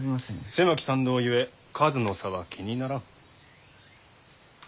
狭き山道ゆえ数の差は気にならん。